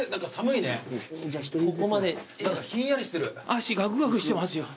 脚ガクガクしてますよ。